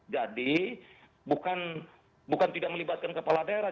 jadi bukan tidak melibatkan kepala daerah